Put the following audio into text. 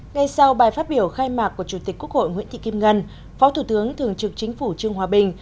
ngay sau bài phát biểu khai mạc của chủ tịch quốc hội nguyễn thị kim ngân phó thủ tướng thường trực chính phủ trương hòa bình